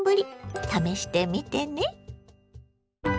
試してみてね。